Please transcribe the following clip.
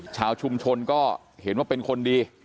ชาวชุมชนก็เห็นว่าเป็นคนดี